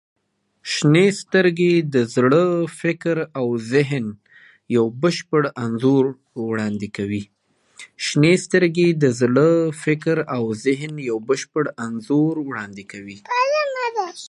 • شنې سترګې د زړه، فکر او ذهن یو بشپړ انځور وړاندې کوي.